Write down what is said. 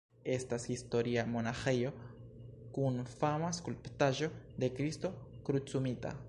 Estas historia monaĥejo kun fama skulptaĵo de Kristo Krucumita.